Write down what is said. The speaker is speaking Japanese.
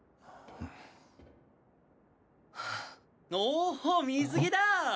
おお水着だ！